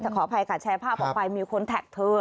ขออภัยค่ะแชร์ภาพออกไปมีคนแท็กเธอ